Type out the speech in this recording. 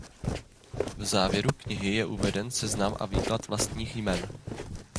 V závěru knihy je uveden seznam a výklad vlastních jmen.